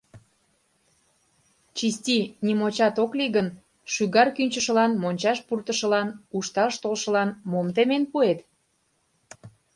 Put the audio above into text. Чисти нимочат ок лий гын, шӱгар кӱнчышылан, мончаш пуртышылан, ушташ толшылан мом темен пуэт?